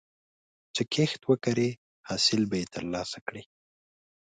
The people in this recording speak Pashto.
چې کښت وکړې، حاصل به یې ترلاسه کړې.